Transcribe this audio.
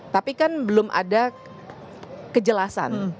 tapi kan belum ada kejelasan